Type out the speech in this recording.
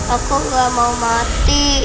aku ga mau mati